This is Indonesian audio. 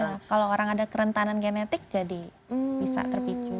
nah kalau orang ada kerentanan genetik jadi bisa terpicu